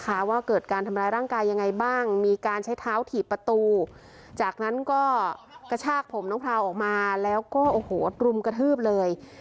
ว่าเกิดการทำร้ายร่างกายยังไงบ้างมีการใช้เท้าถีบประตูจากนั้นก็กระชากผมน้องพราวออกมาแล้วก็โอ้โหรุมกระทืบเลย